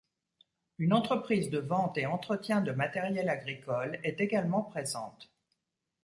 Une entreprise de vente et entretien de matériel agricole est également présente.